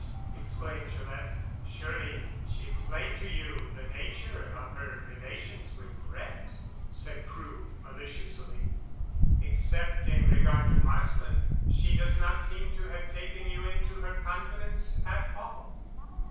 exclaimed Gillett. "Surely she explained to you the nature of her relations with Brett?" said Crewe maliciously. "Except in regard to Marsland she does not seem to have taken you into her confidence at all."